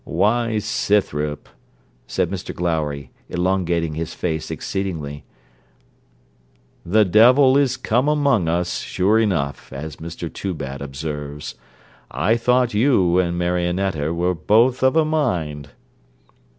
'Why, Scythrop,' said Mr Glowry, elongating his face exceedingly, 'the devil is come among us sure enough, as Mr Toobad observes: I thought you and Marionetta were both of a mind.'